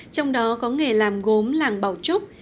trong đó có nghề làm gốm làng bảo trúc